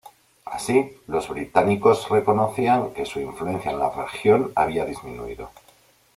Así, los británicos reconocían que su influencia en la región había disminuido.